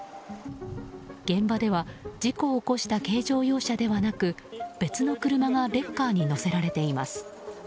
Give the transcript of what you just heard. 現場では事故を起こした軽乗用車ではなく別の車がレッカーに載せられています。